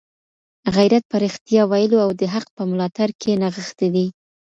غیرت په رښتیا ویلو او د حق په ملاتړ کي نغښتی دی.